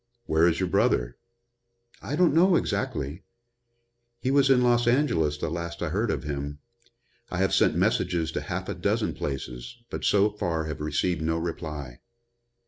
"Where is your brother?" "I don't know exactly. He was in Los Angeles the last I heard of him. I have sent messages to half a dozen places, but so far have received no reply."